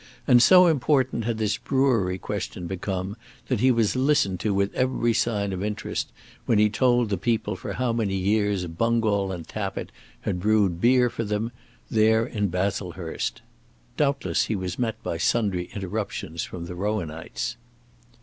And so important had this brewery question become that he was listened to with every sign of interest when he told the people for how many years Bungall and Tappitt had brewed beer for them, there in Baslehurst. Doubtless he was met by sundry interruptions from the Rowanites.